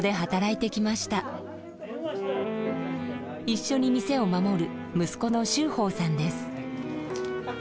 一緒に店を守る息子の秀峰さんです。